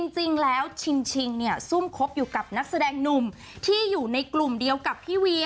จริงแล้วชิงเนี่ยซุ่มคบอยู่กับนักแสดงหนุ่มที่อยู่ในกลุ่มเดียวกับพี่เวีย